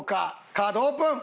カードオープン！